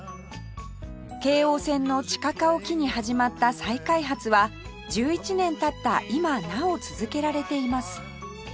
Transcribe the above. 京王線の地下化を機に始まった再開発は１１年経った今なお続けられています